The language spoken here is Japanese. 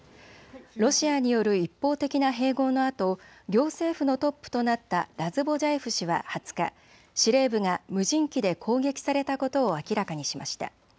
ロシアによる一方的な併合のあと、行政府のトップとなったラズボジャエフ氏は２０日、司令部が無人機で攻撃されたことを明らかにしました。